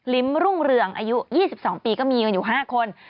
ลิ้มรุ่งเรืองอายุ๒๒ปีก็มีอยู่๕คน